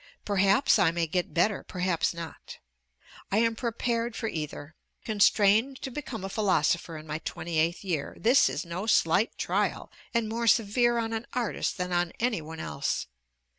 Perhaps I may get better, perhaps not. I am prepared for either. Constrained to become a philosopher in my twenty eighth year! This is no slight trial, and more severe on an artist than on any one else.